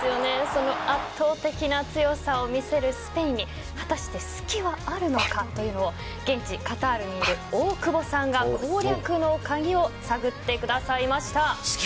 その圧倒的な強さを見せるスペインに果たして隙はあるのかというのを現地、カタールにいる大久保さんが攻略の鍵を探ってくださいました。